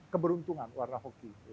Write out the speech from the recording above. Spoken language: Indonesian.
keberuntungan warna hoki